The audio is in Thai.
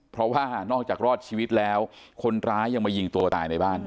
เพราะว่านอกจากรอดชีวิตแล้วคนร้ายยังมายิงตัวตายในบ้าน